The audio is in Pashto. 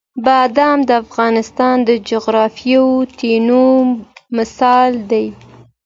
بادام د افغانستان د جغرافیوي تنوع مثال دی.